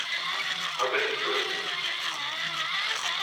Un petit peu.